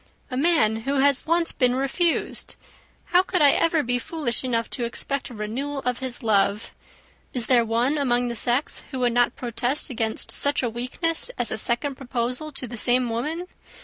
"A man who has once been refused! How could I ever be foolish enough to expect a renewal of his love? Is there one among the sex who would not protest against such a weakness as a second proposal to the same woman?